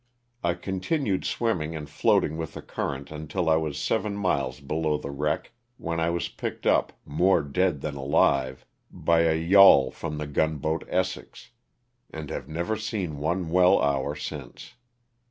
I continued swimming and floating with the current until I was seven miles below the wreck, when I was picked up, more dead than alive, by 314 LOSS OF THE SULTANA. a yawl from the gunboat "Essex/' and have never seen one well hour since.